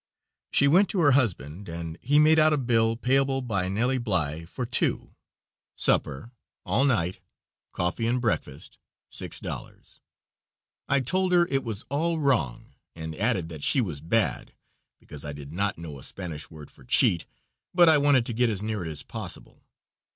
She went to her husband and he made out a bill "payable by Nellie Bly for two supper, all night, coffee and breakfast, six dollars." I told her it was all wrong, and added that she was bad, because I did not know a Spanish word for cheat, but I wanted to get as near it as possible.